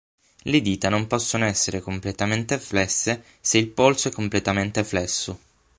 Le dita non possono essere completamente flesse se il polso è completamente flesso.